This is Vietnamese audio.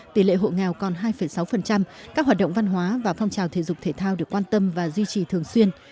tỷ lệ hộ nghèo còn hai sáu các hoạt động văn hóa và phong trào thể dục thể thao được quan tâm và duy trì thường xuyên